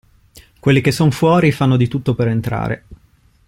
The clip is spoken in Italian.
Quelli che son fuori, fanno di tutto per entrare.